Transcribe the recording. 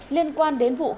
liên quan đến vụ cướp